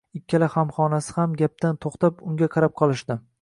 Ikkala hamxonasi ham gapdan to`xtab, unga qarab qolishdi